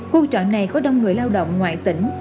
khu chợ này có đông người lao động ngoại tỉnh